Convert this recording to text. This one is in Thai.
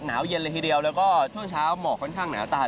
หนาวเย็นเลยทีเดียวแล้วก็ช่วงเช้าหมอกค่อนข้างหนาตา